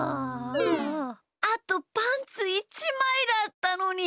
あとパンツ１まいだったのに。